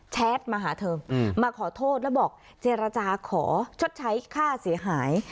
แท็ตมาหาเธอมาขอโทษแล้วบอกเจรจาขอชดใช้ค่าเสียหาย